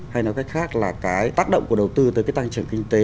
hay nói cách khác là cái tác động của đầu tư tới cái tăng trưởng kinh tế